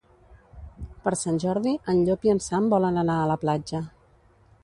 Per Sant Jordi en Llop i en Sam volen anar a la platja.